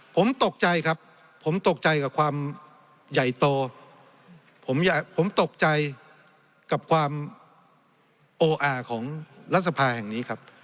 ผมตกใจครับผมตกใจกับความใหญ่โตผมตกใจกับความโออาของรัฐสภาแห่งนี้ครับ